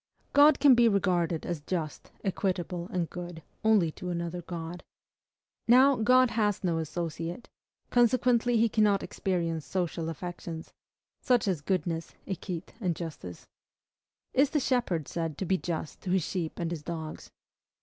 God can be regarded as just, equitable, and good, only to another God. Now, God has no associate; consequently, he cannot experience social affections, such as goodness, equite, and justice. Is the shepherd said to be just to his sheep and his dogs?